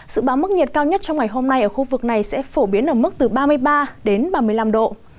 dự báo mức nhiệt cao nhất trong ngày hôm nay ở khu vực này sẽ phổ biến ở mức từ ba mươi ba đến ba mươi năm độ